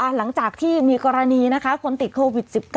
หลังจากที่มีกรณีคนติดโควิด๑๙